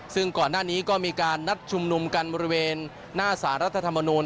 ซึ่งก่อนหน้านี้ก็มีการนัดชุมนุมกันบริเวณหน้าสารรัฐธรรมนูล